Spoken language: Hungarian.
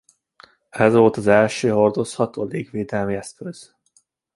Ez volt az első hordozható légvédelmi eszköz.